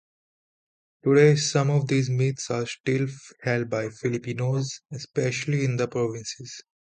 Today, some of these myths are still held by Filipinos, especially in the provinces.